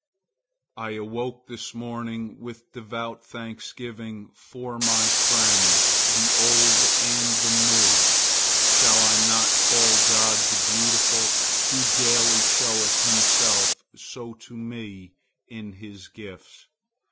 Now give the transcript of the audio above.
I awoke this morning with devout thanksgiving for my friends, the old and the new. Shall I not call God the Beautiful, who daily showeth himself so to me in his gifts?